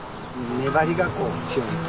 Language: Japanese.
粘りがこう強い。